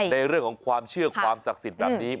ในเรื่องของความเชื่อความศักดิ์สิทธิ์แบบนี้